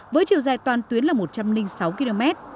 với chiều dài toàn tuyến là một trăm linh sáu km